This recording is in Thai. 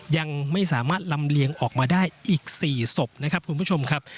ยังไม่สามารถลำเลียงออกมาได้อีก๔ศพนะครับคุณผู้ชมครับ